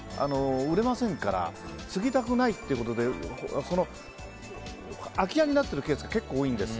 売れませんから継ぎたくないってことで空き家になっているケースが結構多いんです。